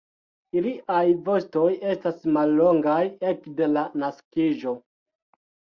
Iliaj vostoj estas mallongaj ekde la naskiĝo.